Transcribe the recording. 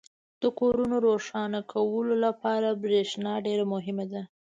• د کورونو روښانه کولو لپاره برېښنا ډېره مهمه ده.